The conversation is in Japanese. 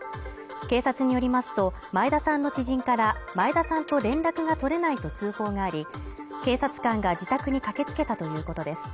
警察によりますと、前田さんの知人から、前田さんと連絡が取れないと通報があり、警察官が自宅に駆け付けたということです。